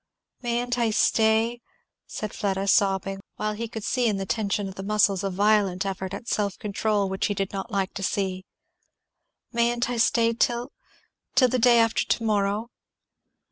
"Mayn't I stay," said Fleda, sobbing, while he could see in the tension of the muscles a violent effort at self control which he did not like to see, "mayn't I stay till till the day after to morrow?"